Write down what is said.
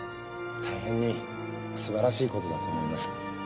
大変に素晴らしい事だと思います。